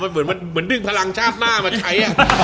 เหมือนดึงพลังชาติหน้ามาใช้